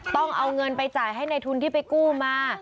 ต้องเอาเงินไปจ่ายให้ในทุนที่ไปกู้มา